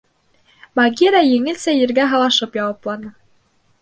— Багира еңелсә ергә һылашып яуапланы.